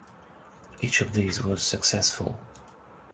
Each of these was successful.